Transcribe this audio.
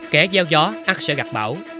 kẻ gieo gió ác sẽ gặp bão